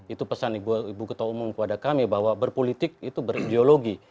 itu pesan ibu ketua umum kepada kami bahwa berpolitik itu berideologi